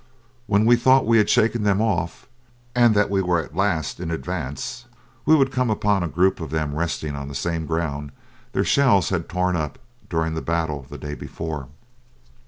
When we thought we had shaken them off, and that we were at last in advance, we would come upon a group of them resting on the same ground their shells had torn up during the battle the day before.